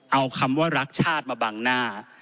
เอาคำว่ารักชาติมาบังหน้า